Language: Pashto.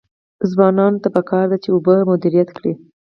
ځوانانو ته پکار ده چې، اوبه مدیریت کړي.